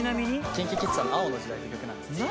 ＫｉｎＫｉＫｉｄｓさんの『青の時代』って曲なんですけど。